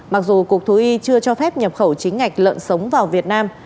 mặc dù cục thú y chưa cho phép nhập khẩu chính ngạch lợn sống vào việt nam